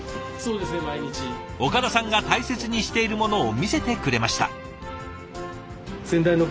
岡田さんが大切にしているものを見せてくれました。